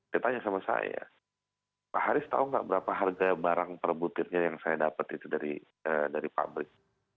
ditanya sama saya pak haris tahu nggak berapa harga barang per butirnya yang saya dapat itu dari pabrik